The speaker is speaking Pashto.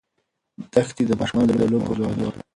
دښتې د ماشومانو د لوبو موضوع ده.